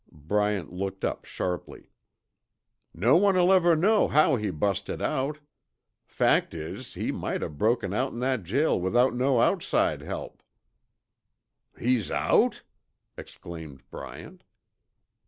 Bryant looked up sharply. "No one'll ever know how he busted out. Fact is, he might o' broke outen that jail without no outside help." "He's out?" exclaimed Bryant.